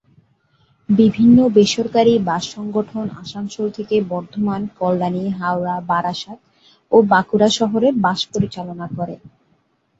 বিভিন্ন বেসরকারি বাস সংগঠন আসানসোল থেকে বর্ধমান, কল্যাণী, হাওড়া, বারাসাত ও বাঁকুড়া শহরে বাস পরিচালনা করে।